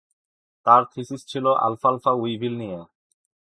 তার থিসিস ছিল আলফালফা উইভিল নিয়ে।